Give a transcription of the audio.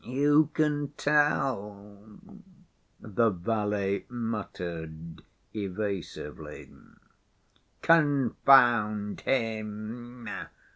Who can tell?" the valet muttered evasively. "Confound him!